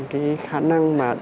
cái khả năng mà